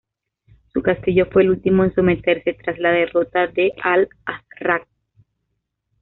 Su castillo fue el último en someterse tras la derrota de Al-Azraq.